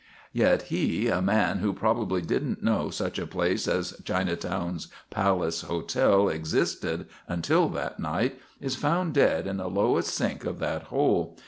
"Yet he, a man who probably didn't know such a place as Chinatown's Palace Hotel existed until that night, is found dead in the lowest sink of that hole.